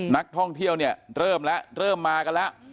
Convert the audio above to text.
นักท่องเที่ยวเริ่มมากันแล้ว